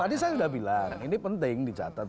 tadi saya sudah bilang ini penting dicatat